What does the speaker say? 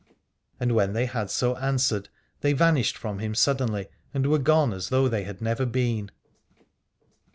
And when they had so an swered they vanished from him suddenly, and were gone as though they had never been.